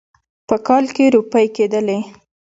په کال کې روپۍ کېدلې.